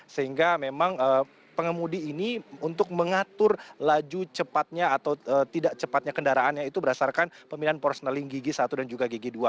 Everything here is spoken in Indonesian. sehingga memang pengemudi ini untuk mengatur laju cepatnya atau tidak cepatnya kendaraannya itu berdasarkan pemilihan personaling gigi satu dan juga gigi dua